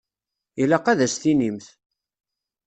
Ilaq ad as-tinimt.